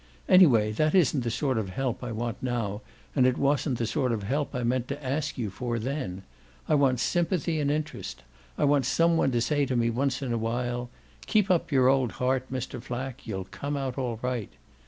Anyway, that isn't the sort of help I want now and it wasn't the sort of help I meant to ask you for then. I want sympathy and interest; I want some one to say to me once in a while 'Keep up your old heart, Mr. Flack; you'll come out all right.